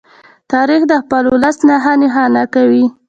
تاریخ د خپل ولس نښان نښه کوي.